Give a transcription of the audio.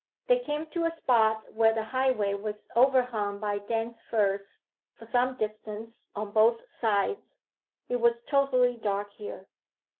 They came to a spot where the highway was overhung by dense firs for some distance on both sides. It was totally dark here.